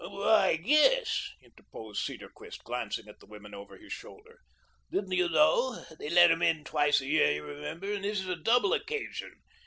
"Why, yes," interposed Cedarquist, glancing at the women over his shoulder. "Didn't you know? They let 'em in twice a year, you remember, and this is a double occasion.